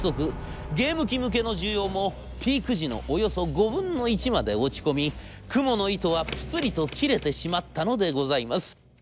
ゲーム機向けの需要もピーク時のおよそ５分の１まで落ち込みクモの糸はプツリと切れてしまったのでございます。